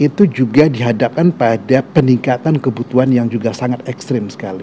itu juga dihadapkan pada peningkatan kebutuhan yang juga sangat ekstrim sekali